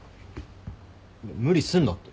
無理すんなって。